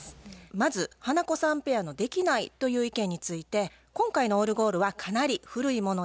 まず花子さんペアのできないという意見について今回のオルゴールはかなり古いものでした。